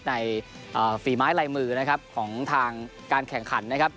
ฝีไม้ลายมือนะครับของทางการแข่งขันนะครับ